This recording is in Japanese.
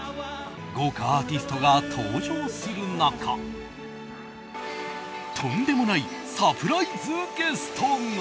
豪華アーティストが登場する中とんでもないサプライズゲストが。